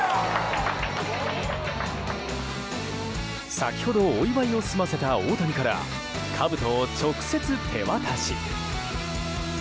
先ほどお祝いを済ませた大谷からかぶとを直接手渡し。